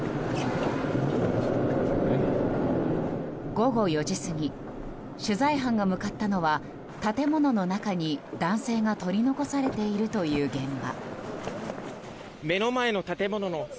午後４時過ぎ取材班が向かったのは建物の中に男性が取り残されているという現場。